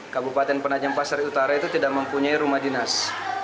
kabupaten penajam pasar utara itu tidak mempunyai rumah dinas